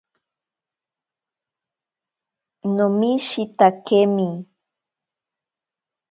Nomishitakemi.